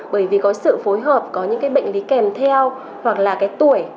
bởi vì có sự phối hợp có những bệnh lý kèm theo hoặc là tuổi